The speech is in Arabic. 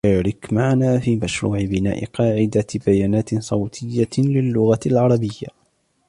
شارك معنا في مشروع بناء قاعدة بيانات صوتية للغة العربية